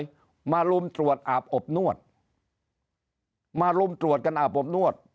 ตะกี้หน่วยมารุ่มตรวจอาบอบนวดมารุ่มตรวจกันอาบอบนวด